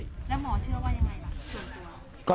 แล้วหมอเชื่อว่ายังไงล่ะส่วนตัว